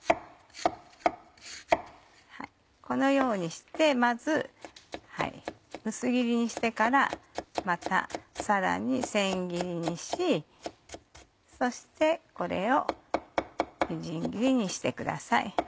このようにしてまず薄切りにしてからまたさらに千切りにしそしてこれをみじん切りにしてください。